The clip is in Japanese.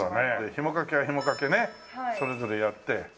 ひもかけはひもかけねそれぞれやって。